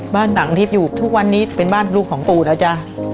หนังที่อยู่ทุกวันนี้เป็นบ้านลูกของปู่นะจ๊ะ